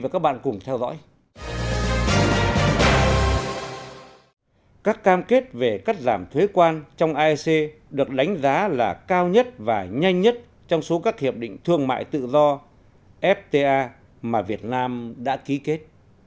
các cam kết về cắt giảm thuế quan trong aec được đánh giá là cao nhất và nhanh nhất trong số các hiệp định thương mại tự do fta mà việt nam đã ký kết